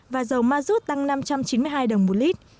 và dầu ma rút tăng năm trăm chín mươi hai đồng một lít